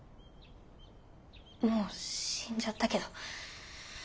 もう死んじゃったけど。